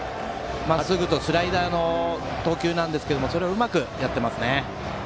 スライダーの投球なんですがそれをうまくやっていますね。